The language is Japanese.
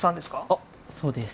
あっそうです。